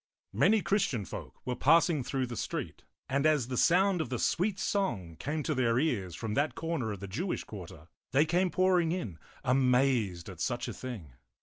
Many Christian folk were passing through the street, and as the sound of the sweet song came to their ears from that corner of the Jewish quarter, they came pouring in, amazed at such a thing.